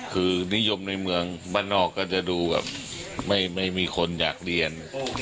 คือนิยมในเมืองบ้านนอกก็จะดูแบบไม่มีคนอยากเรียน